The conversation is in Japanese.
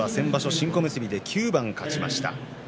新小結で９番勝ちました。